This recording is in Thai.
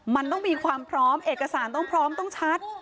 มันต้องมีความพร้อมเอกสารต้องพร้อมต้องชัด